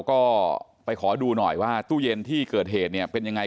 ก็ไปขอดูหน่อยว่าตู้เย็นที่เกิดเหตุเนี่ยเป็นยังไง